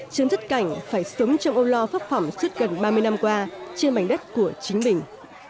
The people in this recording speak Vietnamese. trước giấc cảnh phải xuống trong ô lo phát phẩm suốt gần ba mươi năm qua trên mảnh đất của chính mình